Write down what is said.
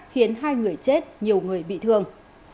khiến hai người chết nhiều người bị thương